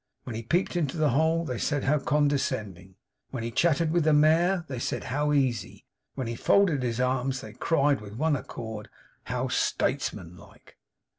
when he peeped into the hole, they said how condescending! when he chatted with the Mayor, they said how easy! when he folded his arms they cried with one accord, how statesman like!